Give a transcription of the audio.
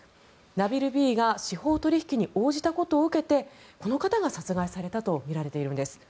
ナビル・Ｂが司法取引に応じたことを受けてこの方が殺害されたとみられているんです。